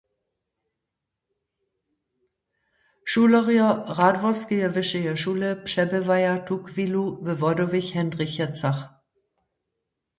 Šulerjo Radworskeje wyšeje šule přebywaja tuchwilu we Wodowych Hendrichecach.